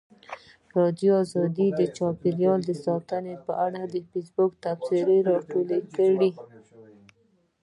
ازادي راډیو د چاپیریال ساتنه په اړه د فیسبوک تبصرې راټولې کړي.